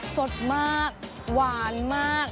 สดมากหวานมาก